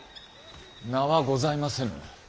名はございませぬ。